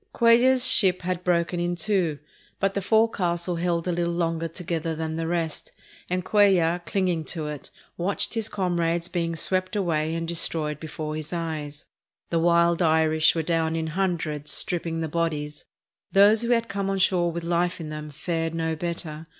Cuellar's ship had broken in two, but the forecastle held a little longer together than the rest, and Cuellar, clinging to it, watched his comrades being swept away and destroyed before his eyes. The wild Irish were down in hundreds stripping the bodies. Those who had come on shore with life in them fared no better.